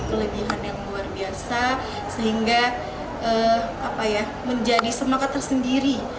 kelebihan yang luar biasa sehingga menjadi semangat tersendiri